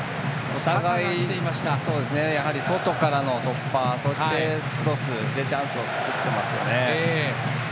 お互いやはり外からの突破そして、クロスでチャンスを作っていますね。